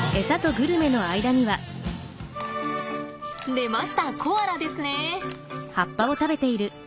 出ましたコアラですね。